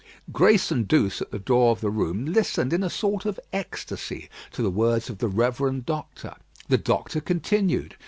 '" Grace and Douce at the door of the room listened in a sort of ecstacy to the words of the Reverend Doctor. The doctor continued.